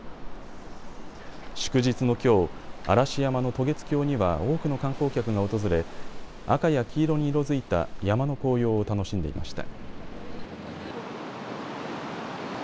祝日のきょう嵐山の渡月橋には多くの観光客が訪れ赤や黄色に色づいた山の紅葉を楽しんでいました。